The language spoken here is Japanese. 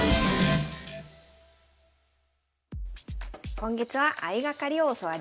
今月は相掛かりを教わります。